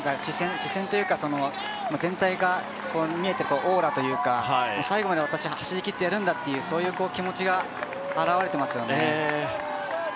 視線というか、全体が見えてオーラというか、最後まで私は走り切ってやるんだというそういう気持ちが表れてますよね。